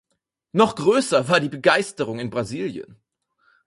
Noch größer war die Begeisterung in Brasilien.